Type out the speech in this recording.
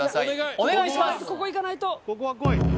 お願いします